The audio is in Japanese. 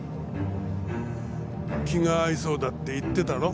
気が合いそうだって言ってたろ。